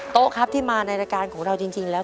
โต๊ะครับที่มาในรายการของเราจริงแล้ว